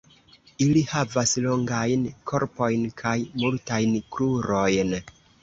Ili havas longajn korpojn kaj multajn krurojn.